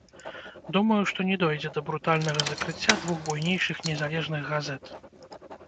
Думаю, што не дойдзе да брутальнага закрыцця двух буйнейшых незалежных газет.